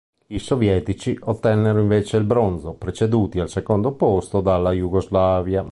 I sovietici ottennero invece il bronzo, preceduti al secondo posto dalla Jugoslavia.